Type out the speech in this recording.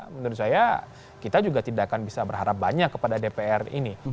menurut saya kita juga tidak akan bisa berharap banyak kepada dpr ini